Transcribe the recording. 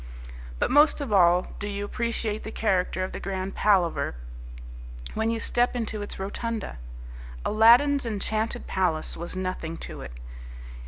But most of all do you appreciate the character of the Grand Palaver when you step into its rotunda. Aladdin's enchanted palace was nothing to it.